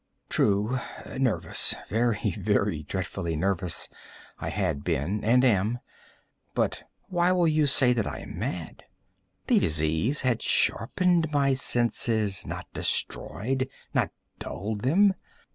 True!—nervous—very, very dreadfully nervous I had been and am; but why will you say that I am mad? The disease had sharpened my senses—not destroyed—not dulled them.